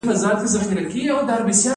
د زرنج ښار ډیر ګرم دی